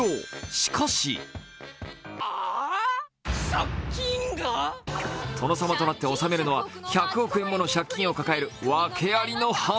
しかし殿様となって治めるのは１００億円もの借金を抱えるワケありの藩。